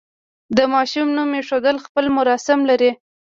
د ماشوم نوم ایښودل خپل مراسم لري.